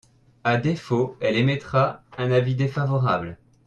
À défaut, elle émettra un avis défavorable.